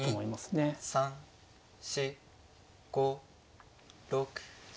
３４５６。